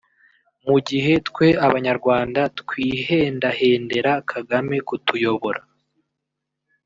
mu gihe twe Abanyarwanda twihendahendera Kagame kutuyobora